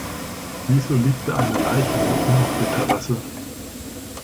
Wieso liegt da eine Leiche mitten auf der Terrasse?